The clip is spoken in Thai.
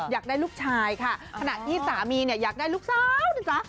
อยากได้ลูกชายค่ะขณะที่สามีเนี่ยอยากได้ลูกสาวนะจ๊ะ